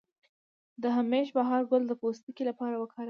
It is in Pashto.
د همیش بهار ګل د پوستکي لپاره وکاروئ